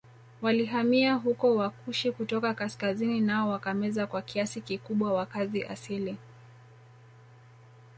Walihamia huko Wakushi kutoka kaskazini nao wakameza kwa kiasi kikubwa wakazi asili